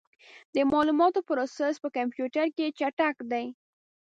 د معلوماتو پروسس په کمپیوټر کې چټک دی.